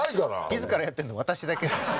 自らやってるの私だけ。